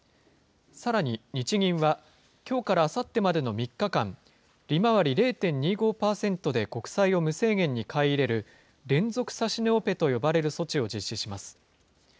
さらに日銀は、きょうからあさってまでの３日間、利回り０．２５％で国債を無制限に買い入れる、連続指値オペと呼ばれる措置を実施します。